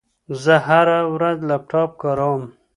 زه هره ورځ لپټاپ کاروم.